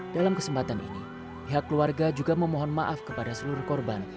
dalam kesempatan ini pihak keluarga juga memohon maaf kepada seluruh korban